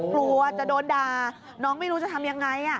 กลัวจะโดนด่าน้องไม่รู้จะทำยังไง